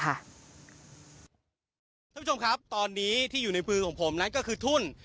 ท่านผู้ชมครับตอนนี้ที่อยู่ในมือของผมนั้นก็คือทุ่น